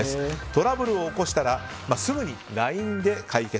トラブルを起こしたらすぐにＬＩＮＥで解決。